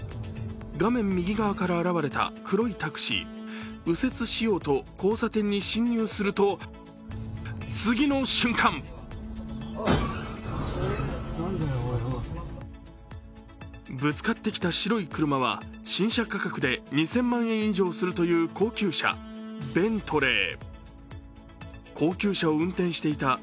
画面右側から現れた黒いタクシー右折しようと交差点に進入すると次の瞬間ぶつかってきた白い車は新車価格で２０００万円以上するという高級車、ベントレー。